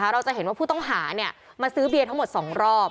เราจะเห็นว่าผู้ต้องหามาซื้อเบียร์ทั้งหมด๒รอบ